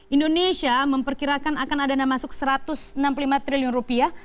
indonesia memperkirakan akan ada dana masuk satu ratus enam puluh lima triliun rupiah